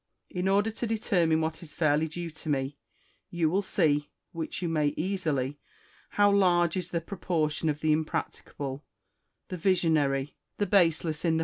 In order to determine what is fairly due to me, you will see, which you may easily, how large is the propor tion of the impracticable, the visionary, the baseless in the 348 n/A GIN A R Y CON VERS A TIONS.